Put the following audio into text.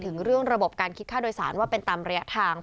ถึงเรื่องระบบการคิดค่าโดยสารว่าเป็นตามระยะทาง